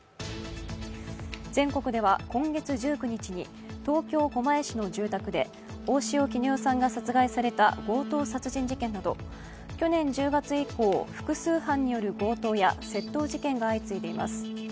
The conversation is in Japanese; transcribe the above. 全国では今月１９日に東京・狛江市の住宅で大塩衣与さんが殺害された強盗殺人事件など、去年１０月以降、複数犯による強盗や窃盗事件が相次いでいます。